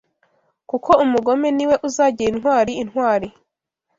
kuko umugome niwe uzagira intwari intwari